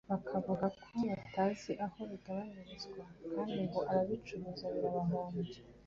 bakavuga ko batazi aho bigabanyirizwa kandi ngo ababicuruza birabahombya